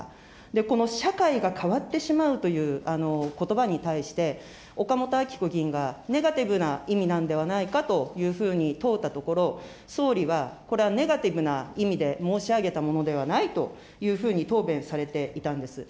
この社会が変わってしまうということばに対して、岡本あき子議員が、ネガティブな意味なんではないかというふうに問うたところ、総理は、これはネガティブな意味で申し上げたものではないというふうに答弁されていたんです。